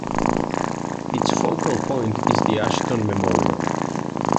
Its focal point is the Ashton Memorial.